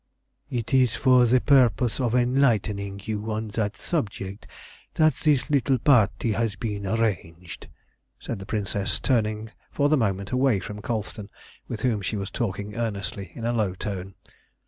"It is for the purpose of enlightening you on that subject that this little party has been arranged," said the Princess, turning for the moment away from Colston, with whom she was talking earnestly in a low tone.